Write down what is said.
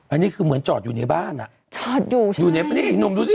อันนี้คือเหมือนจอดอยู่ในบ้านจอดอยู่ใช่นี่นุ่มดูสิ